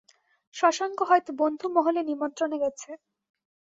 শশাঙ্ক হয়তো বন্ধুমহলে নিমন্ত্রণে গেছে।